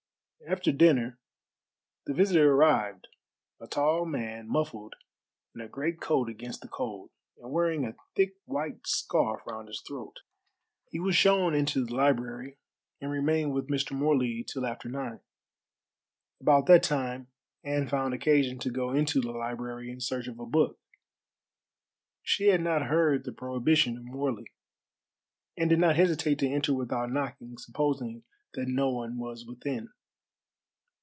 After dinner the visitor arrived a tall man muffled in a great coat against the cold, and wearing a thick white scarf round his throat. He was shown into the library and remained with Mr. Morley till after nine. About that time Anne found occasion to go into the library in search of a book. She had not heard the prohibition of Morley, and did not hesitate to enter without knocking, supposing that no one was within.